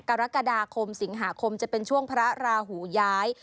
กรกฎาคมสิงหาคมจะเป็นช่วงพระราหูย้าย